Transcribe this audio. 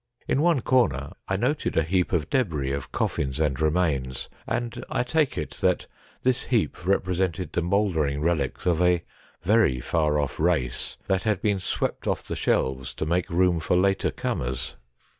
In one corner I noted a heap of debris of coffins and remains, and I take it that this heap represented the mouldering relics of a very far off race that had been swept off the shelves to make room for later comers.